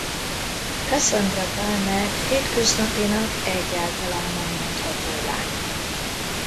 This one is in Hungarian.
Cassandra Palmer hétköznapinak egyáltalán nem mondható lány.